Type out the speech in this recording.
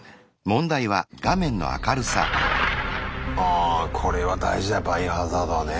あこれは大事だ「バイオハザード」はね。